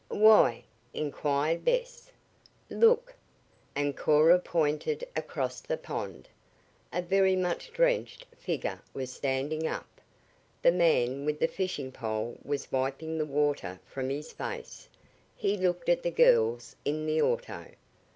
"Why?" inquired Bess. "Look!" and Cora pointed across the pond. A very much drenched figure was standing up. The man with the fishing pole was wiping the water from his face. He looked at the girls in the auto.